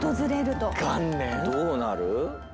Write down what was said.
どうなる？